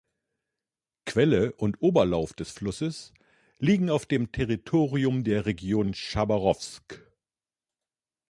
Quelle und Oberlauf des Flusses liegen auf dem Territorium der Region Chabarowsk.